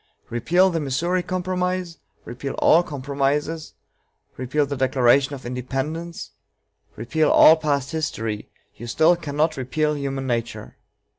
Repeal the Missouri Compromise, repeal all compromises, repeal the Declaration of Independence, repeal all past history, you still cannot repeal human nature.